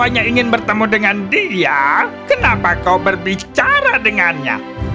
tentu saja kau ingin bertemu dengan dia kenapa kau berbicara dengannya